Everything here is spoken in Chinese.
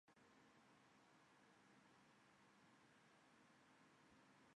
辛哈罗瓦帝是某些泰国学者宣称曾经建立在其北部的古国。